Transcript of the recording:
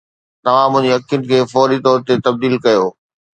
توهان منهنجي اکين کي فوري طور تي تبديل ڪيو